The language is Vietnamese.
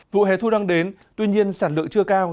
vụ hè thu đang đến tuy nhiên sản lượng chưa cao